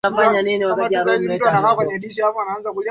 Uturuki ilijiunga na Shirika la Matibabu la North Atlantic